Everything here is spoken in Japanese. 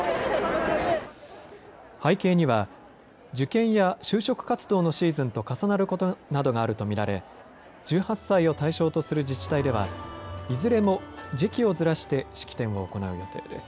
背景には受験や就職活動のシーズンと重なることなどがあると見られ１８歳を対象とする自治体ではいずれも時期をずらして式典を行う予定です。